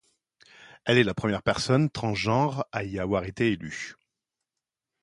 Elle est la première personne transgenre à y avoir été élue.